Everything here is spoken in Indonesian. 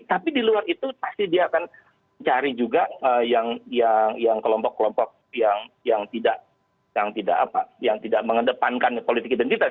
tapi di luar itu pasti dia akan cari juga yang kelompok kelompok yang tidak mengedepankan politik identitas